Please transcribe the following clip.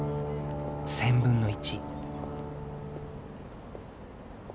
１０００分の１。